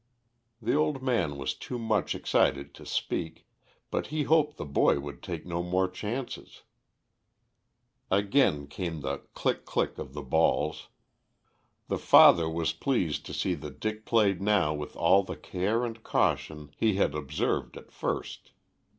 The old man was too much excited to speak, but he hoped the boy would take no more chances. Again came the click click of the balls. The father was pleased to see that Dick played now with all the care and caution he had observed at first.